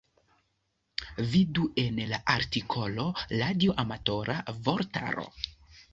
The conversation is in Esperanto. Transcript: Vidu en la artikolo radioamatora vortaro.